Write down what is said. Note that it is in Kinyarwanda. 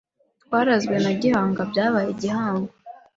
Twarazwe na GihangaByabaye igihango